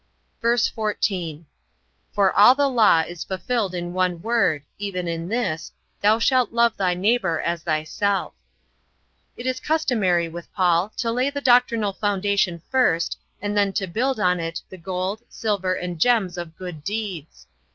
VERSE 14. For all the law is fulfilled in one word, even in this, thou shalt love thy neighbour as thyself. It is customary with Paul to lay the doctrinal foundation first and then to build on it the gold, silver, and gems of good deeds.